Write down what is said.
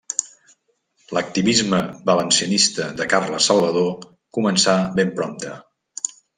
L'activisme valencianista de Carles Salvador començà ben prompte.